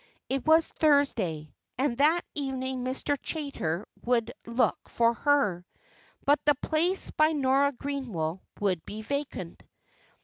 It was Thursday, and that evening Mr. Chaytor would look for her. But the place by Nora Greenwell would be vacant.